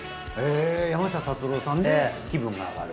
え山下達郎さんで気分が上がる。